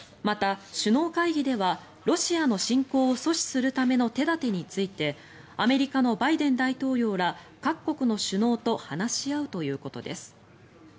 また、首脳会議ではロシアの侵攻を阻止するための手立てについてアメリカのバイデン大統領ら各国の首脳と話し合うということです。